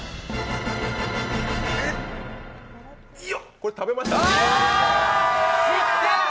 これ食べました。